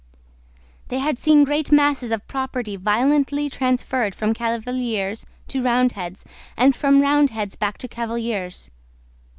They had seen great masses of property violently transferred from Cavaliers to Roundheads, and from Roundheads back to Cavaliers.